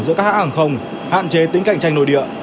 giữa các hãng hàng không hạn chế tính cạnh tranh nội địa